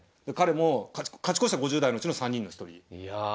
彼も勝ち越した５０代のうちの３人の１人。